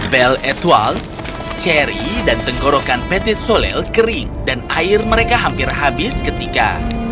bel etwal ceri dan tenggorokan betet solel kering dan air mereka hampir habis ketika